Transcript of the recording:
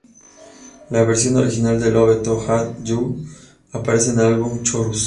La versión original de Love To Hate You aparece en el álbum Chorus.